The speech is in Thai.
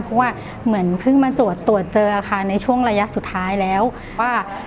เพราะว่าเหมือนเพิ่งมาตรวจเจอในช่วงระยะสุดท้ายแล้ว